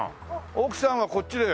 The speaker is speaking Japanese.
奥さんはこっちで。